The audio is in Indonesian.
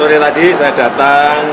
sore tadi saya datang